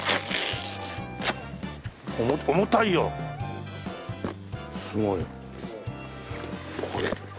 重たいよすごい。